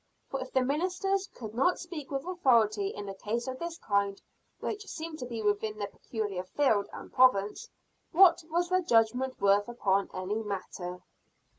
For if the ministers could not speak with authority in a case of this kind, which seemed to be within their peculiar field and province, what was their judgment worth upon any matter?